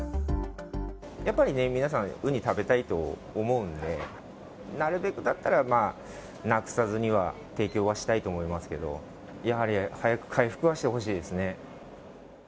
やっぱりね、皆さん、ウニ食べたいと思うんで、なるべくだったらなくさずには提供はしたいと思いますけど、やはり早く回復はしてほしいですね。